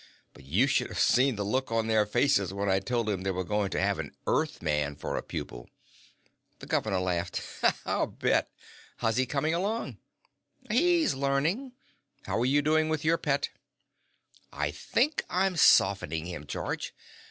But you should have seen the looks on their faces when I told them they were going to have an Earthman for a pupil." The governor laughed. "I'll bet! How's he coming along?" "He's learning. How are you doing with your pet?" "I think I'm softening him, George.